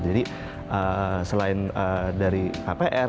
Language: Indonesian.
jadi selain dari kpr